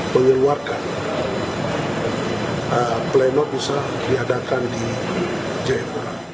mengeluarkan pleno bisa diadakan di jember